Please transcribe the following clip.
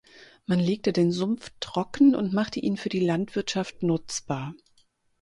Man legte den Sumpf trocken und machte ihn für die Landwirtschaft nutzbar.